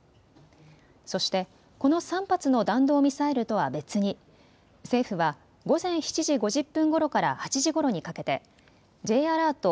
そしてこの３発の弾道ミサイルとは別に政府は午前７時５０分ごろから８時ごろにかけてＪアラート